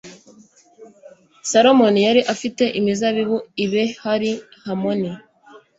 salomoni yari afite imizabibu i behali hamoni